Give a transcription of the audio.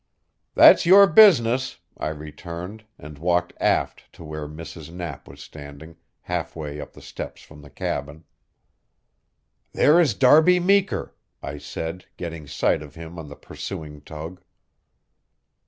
"That's your business," I returned, and walked aft to where Mrs. Knapp was standing, half way up the steps from the cabin. "There is Darby Meeker," I said, getting sight of him on the pursuing tug.